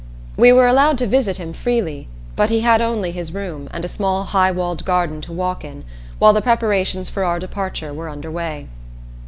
We were allowed to visit him freely, but he had only his room, and a small high walled garden to walk in, while the preparations for our departure were under way.